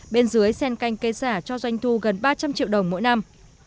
bên dưới sen canh cây xả cho doanh thu gần ba trăm linh triệu đồng mỗi năm